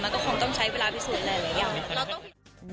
ต้องคงต้องใช้เวลาพิสูจน์หลายอย่าง